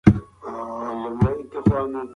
که چېرې تاسو ته اسهال درشي، نو ډاکټر ته ورشئ.